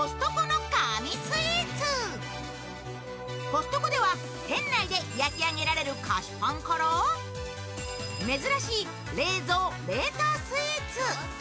コストコでは店内で焼き上げられる菓子パンから珍しい冷蔵・冷凍スイーツ。